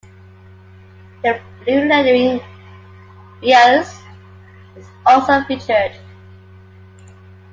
The blue lettering "bls" is also featured.